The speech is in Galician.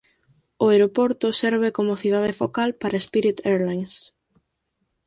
O aeroporto serve como cidade focal para Spirit Airlines.